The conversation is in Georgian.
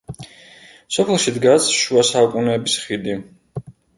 სოფელში დგას შუა საუკუნეების ხიდი.